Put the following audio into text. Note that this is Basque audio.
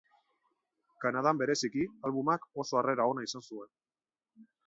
Kanadan bereziki, albumak oso harrera ona izan zuen.